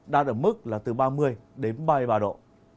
đạt ở mức là từ ba mươi đến ba mươi ba độ